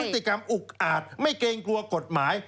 พฤติกรรมอุกอาจไม่เกรงกลัวกฎหมาย